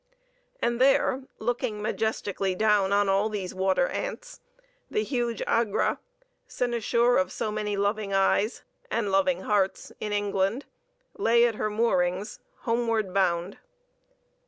And there, looking majestically down on all these water ants, the huge Agra, cynosure of so many loving eyes and loving hearts in England, lay at her moorings; homeward bound.